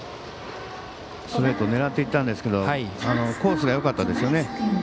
ストレート狙っていったんですけどコースがよかったですよね。